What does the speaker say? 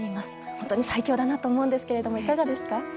本当に最強だなと思うんですけどいかがですか？